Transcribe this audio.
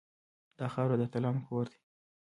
دا خاوره د اتلانو کور دی